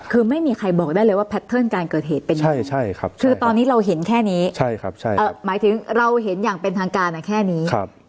คือไม่มีใครบอกได้เลยว่าแพทเทิร์นการเกิดเหตุเป็นยังไงคือตอนนี้เราเห็นแค่นี้หมายถึงเราเห็นอย่างเป็นทางการแค่นี้